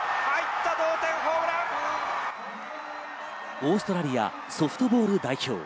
オーストラリア、ソフトボール代表。